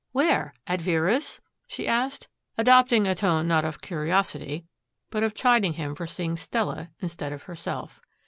"Where? At Vera's?" she asked, adopting a tone not of curiosity but of chiding him for seeing Stella instead of herself.